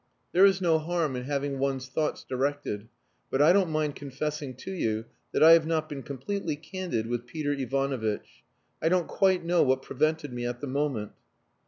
There is no harm in having one's thoughts directed. But I don't mind confessing to you that I have not been completely candid with Peter Ivanovitch. I don't quite know what prevented me at the moment...."